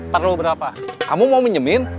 perlu berapa kamu mau minjemin